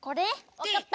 わかった。